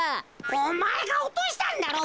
おまえがおとしたんだろ。